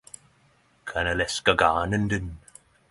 Kan eg leska ganen din